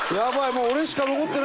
もう俺しか残ってないじゃん！